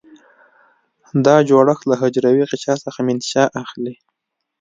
دا جوړښت له حجروي غشا څخه منشأ اخلي.